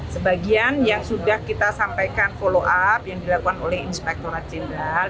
sebagian yang sudah kita sampaikan follow up yang dilakukan oleh inspektorat jenderal